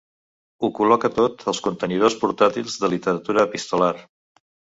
Ho col·loca tot als contenidors portàtils de literatura epistolar.